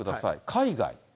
海外。